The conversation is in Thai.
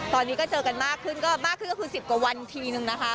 ตอนนี้ก็เจอกันมากขึ้นก็มากขึ้นก็คือ๑๐กว่าวันทีนึงนะคะ